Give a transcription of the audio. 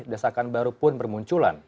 desakan baru pun bermunculan